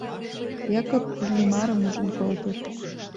Якоб Иллимарым ужын колтыш.